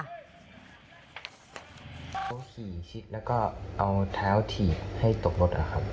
เขาขี่ชิดแล้วก็เอาเท้าถีบให้ตกรถนะครับ